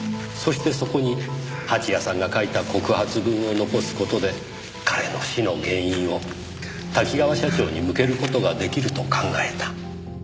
そしてそこに蜂矢さんが書いた告発文を残す事で彼の死の原因を多岐川社長に向ける事が出来ると考えた。